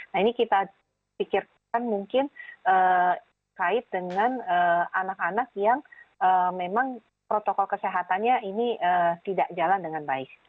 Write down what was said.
nah ini kita pikirkan mungkin kait dengan anak anak yang memang protokol kesehatannya ini tidak jalan dengan baik